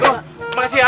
terima kasih ya